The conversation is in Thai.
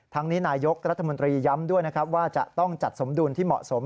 ทั้งนี้นายกรัฐมนตรีย้ำด้วยว่าจะต้องจัดสมดูลที่เหมาะสม